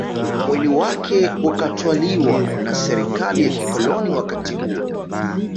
Mwili wake ukatwaliwa na Serikali ya kikoloni wakati huo